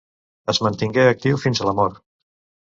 Es mantingué actiu fins a la mort.